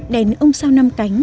đèn ông sao năm cánh